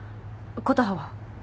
琴葉は？